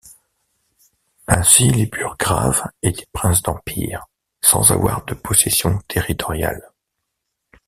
Ainsi, les burgraves étaient princes d'Empire sans avoir de possession territoriale.